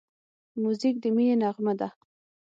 موزیک د مینې نغمه ده.